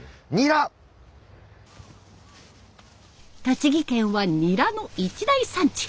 栃木県はニラの一大産地！